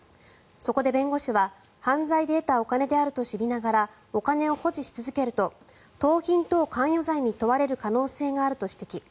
そこで弁護士は犯罪で得たお金であると知りながらお金を保持し続けると盗品等関与罪に問われる可能性があると指摘。